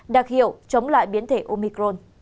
đặc hiệu chống lại biến thể omicron